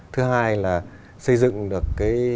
thứ hai là xây dựng được